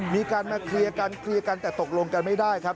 มีการมาเคลียร์กันแต่ตกลงกันไม่ได้ครับ